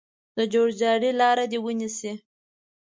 د جوړجاړي لاره دې ونیسي.